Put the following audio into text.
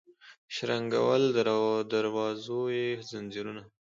شرنګول د دروازو یې ځنځیرونه